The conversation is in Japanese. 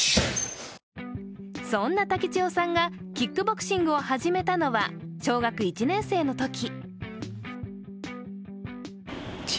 そんな武智代さんがキックボクシングを始めたのは小学１年生のとき。